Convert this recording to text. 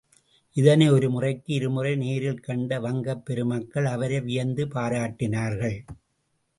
இதனை ஒரு முறைக்கு இருமுறை நேரில் கண்ட வங்கப் பெருமக்கள் அவரை வியந்து பாராட்டினார்கள்.